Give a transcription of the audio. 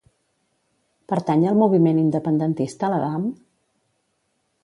Pertany al moviment independentista l'Adam?